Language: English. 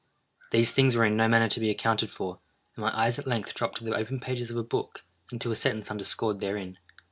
These things were in no manner to be accounted for, and my eyes at length dropped to the open pages of a book, and to a sentence underscored therein.